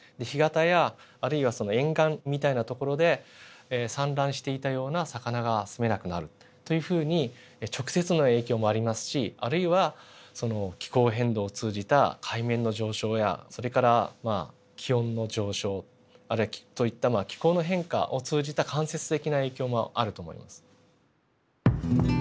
干潟やあるいは沿岸みたいな所で産卵していたような魚がすめなくなるというふうに直接の影響もありますしあるいは気候変動を通じた海面の上昇やそれからまあ気温の上昇といった気候の変化を通じた間接的な影響もあると思います。